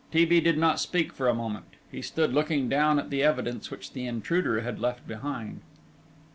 T. B. did not speak for a moment. He stood looking down at the evidence which the intruder had left behind.